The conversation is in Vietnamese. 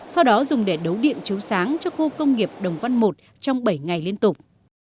sau đó dùng để đấu điện chiếu sáng cho khu công nghiệp đồng văn i trong bảy ngày liên tục